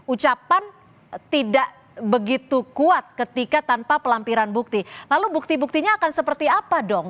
ucapan tidak begitu kuat ketika tanpa pelampiran bukti lalu bukti buktinya akan seperti apa dong